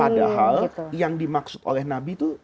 padahal yang dimaksud oleh nabi itu